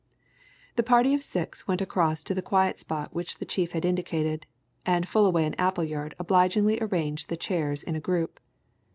The party of six went across to the quiet spot which the chief had indicated, and Fullaway and Appleyard obligingly arranged the chairs in a group.